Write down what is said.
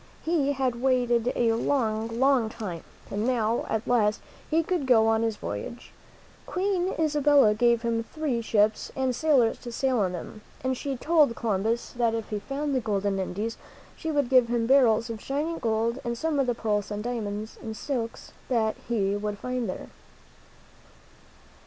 He had waited a long, long time, and now, at last, he could go on his voyage. Queen Isabella gave him three ships, and sailors to sail them, and she told Columbus that if he found the golden Indies she would give him barrels of shining gold and some of the pearls and diamonds and silks that he would find there.